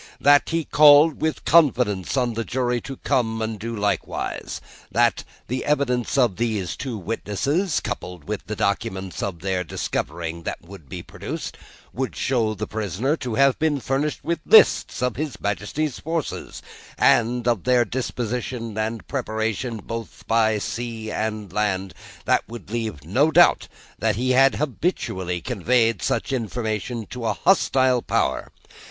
That, he called with confidence on the jury to come and do likewise. That, the evidence of these two witnesses, coupled with the documents of their discovering that would be produced, would show the prisoner to have been furnished with lists of his Majesty's forces, and of their disposition and preparation, both by sea and land, and would leave no doubt that he had habitually conveyed such information to a hostile power.